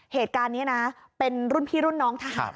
เหตุการณ์นี้นะเป็นรุ่นพี่รุ่นน้องทหาร